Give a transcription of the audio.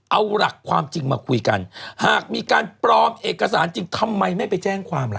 เอาหลักความจริงมาคุยกันหากมีการปลอมเอกสารจริงทำไมไม่ไปแจ้งความล่ะ